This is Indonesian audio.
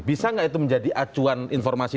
bisa nggak itu menjadi acuan informasi